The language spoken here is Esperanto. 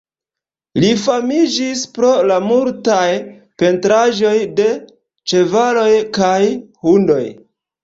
Li famiĝis pro la multaj pentraĵoj de ĉevaloj kaj hundoj.